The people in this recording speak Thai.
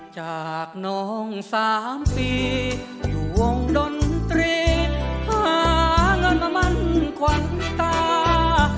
จากโน่งสามตีห่วงด้นเตรียมกาหง่ายภามปราณมณภ์ควันตา